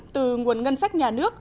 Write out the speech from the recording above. từ nguồn ngân sách nhà nước